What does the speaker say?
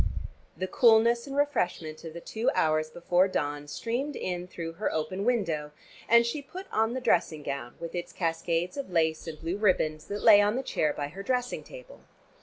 The coolness and refreshment of the two hours before dawn streamed in through her open window, and she put on the dressing gown with its cascades of lace and blue ribands that lay on the chair by her dressing table.